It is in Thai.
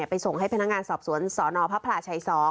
ไปส่งให้พนักงานสอบสวนสนพช๒